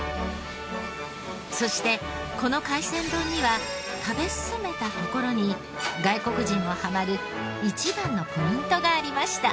そしてこの海鮮丼には食べ進めたところに外国人もハマる一番のポイントがありました。